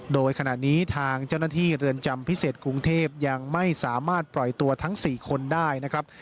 โดยขณะนี้ทางเจ้าหน้าที่เรือนจำพิเศษกรุงเทพยังไม่สามารถปล่อยตัวทั้ง๔คนได้นะครับ